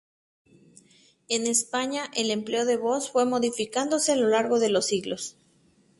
En España, el empleo de "vos" fue modificándose a lo largo de los siglos.